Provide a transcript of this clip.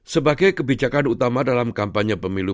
sebagai kebijakan utama dalam kampanye pemilu